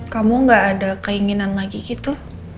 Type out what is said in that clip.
kamu gak ada keinginan lagi gitu